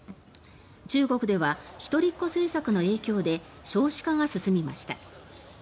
中国では、一人っ子政策の影響で少子化が進みました。